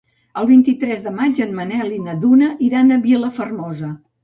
El vint-i-tres de maig en Manel i na Duna iran a Vilafermosa.